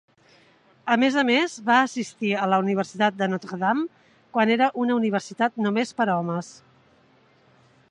A més a més, va assistir a la Universitat de Notre Dame, quan era una universitat només per homes.